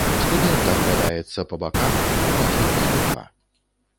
Студэнт аглядаецца па баках, убачыў пастуха.